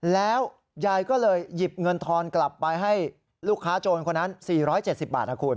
แล้วยายก็เลยหยิบเงินทอนกลับไปให้ลูกค้าโจรคนนั้น๔๗๐บาทนะคุณ